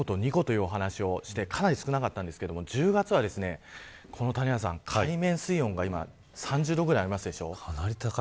今長いこと２個というお話をしてかなり少なかったんですけど１０月は海面水温が３０度ぐらいありますでしょう。